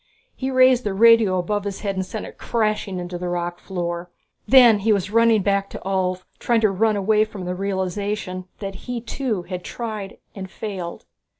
He raised the radio above his head and sent it crashing into the rock floor. Then he was running back to Ulv, trying to run away from the realization that he too had tried and failed.